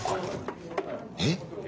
えっ？